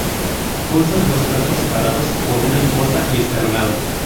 Consta de dos cuerpos separados por una imposta y escalonados.